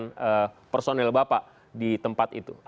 nah ini sudah diperkenalkan oleh pak kapolres